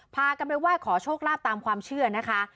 พากันไปไหว้ขอโชคลาภตามความเชื่อนะคะ